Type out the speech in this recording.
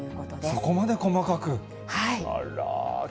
そこまで細かく。